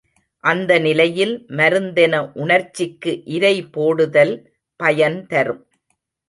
அந்த நிலையில் மருந்தென உணர்ச்சிக்கு இரை போடுதல் பயன்தரும்.